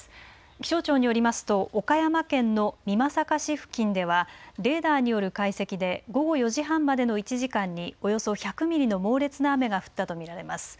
気象庁によりますと、岡山県の美作市付近では、レーダーによる解析で、午後４時半までの１時間におよそ１００ミリの猛烈な雨が降ったと見られます。